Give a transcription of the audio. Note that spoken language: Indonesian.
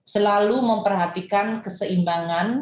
selalu memperhatikan keseimbangan